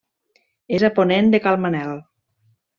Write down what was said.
És a ponent de Cal Manel.